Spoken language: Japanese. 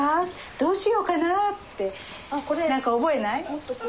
どうしようかな？」って何か覚えない？